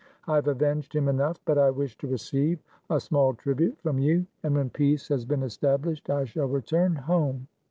I have avenged him enough, but I wish to receive a small tribute from you, and when peace has been established I shall return home."